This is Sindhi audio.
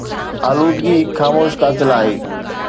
آلودگي هڪ خاموش قاتل آهي.